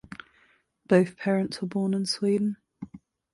Both parents were born in Sweden.